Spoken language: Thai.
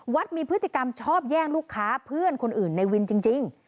มีพฤติกรรมชอบแย่งลูกค้าเพื่อนคนอื่นในวินจริง